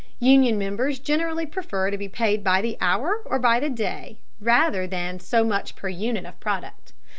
Union members generally prefer to be paid by the hour or by the day, rather than so much per unit of product.